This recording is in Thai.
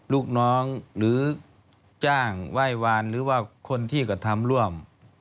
ลูกน้องหรือจ้างไหว้วานหรือว่าคนที่กระทำร่วม